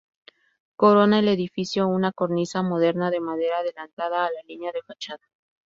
Corona el edificio una cornisa moderna de madera, adelantada a la línea de fachada.